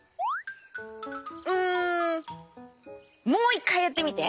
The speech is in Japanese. んもういっかいやってみて！